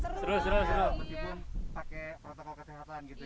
terus terus berkipun pakai protokol kesehatan gitu ya